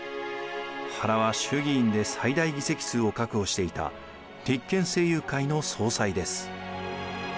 原は衆議院で最大議席数を確保していた立憲政友会の総裁です。